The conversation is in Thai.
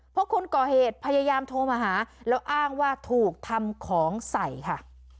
เพราะคนก่อเหตุพยายามโทรมาหาแล้วอ้างว่าถูกทำของใส่ค่ะ